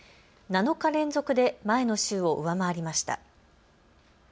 ７日連続で前の週を上回りました。